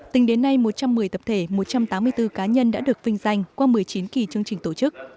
tính đến nay một trăm một mươi tập thể một trăm tám mươi bốn cá nhân đã được vinh danh qua một mươi chín kỳ chương trình tổ chức